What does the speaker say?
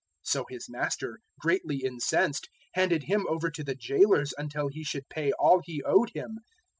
018:034 "So his master, greatly incensed, handed him over to the jailers until he should pay all he owed him.